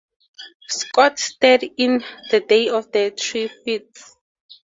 Scott starred in "The Day of the Triffids".